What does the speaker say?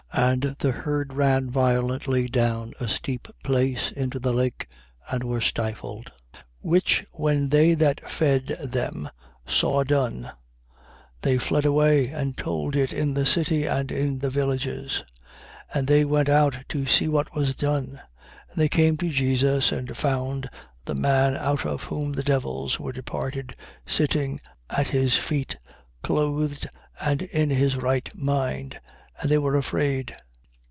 And the herd ran violently down a steep place into the lake and were stifled. 8:34. Which when they that fed them saw done, they fled away and told it in the city and in the villages. 8:35. And they went out to see what was done. And they came to Jesus and found the man out of whom the devils were departed, sitting at his feet, clothed and in his right mind. And they were afraid.